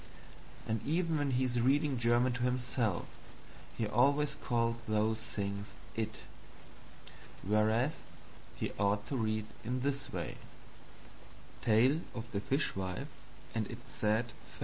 And even when he is reading German to himself, he always calls those things "it," whereas he ought to read in this way: TALE OF THE FISHWIFE AND ITS SAD FATE 2.